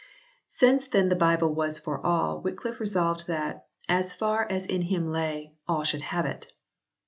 Since then the Bible was for all, Wy cliffe resolved that, as far as in him lay, all should have it.